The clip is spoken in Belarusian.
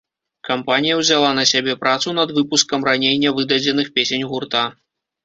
Кампанія ўзяла на сябе працу над выпускам раней нявыдадзеных песень гурта.